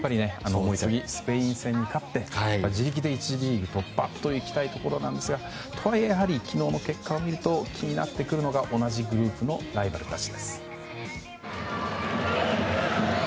スペイン戦に勝って自力で１次リーグ突破といきたいところなんですがとはいえ、昨日の結果を見ると気になってくるのが同じグループのライバルたちです。